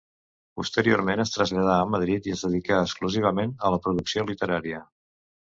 Posteriorment es traslladà a Madrid i es dedicà exclusivament a la producció literària.